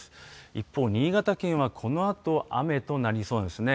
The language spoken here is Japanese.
一方、新潟県はこのあと、雨となりそうなんですね。